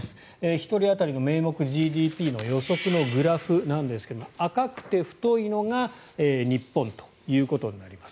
１人当たりの名目ＧＤＰの予測のグラフなんですが赤くて太いのが日本ということになります。